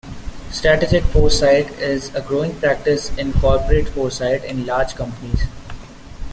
Strategic foresight is a growing practice in corporate foresight in large companies.